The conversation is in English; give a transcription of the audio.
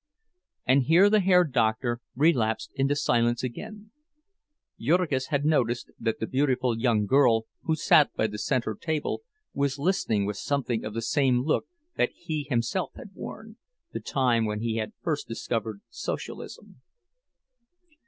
And here the Herr Doctor relapsed into silence again. Jurgis had noticed that the beautiful young girl who sat by the center table was listening with something of the same look that he himself had worn, the time when he had first discovered Socialism.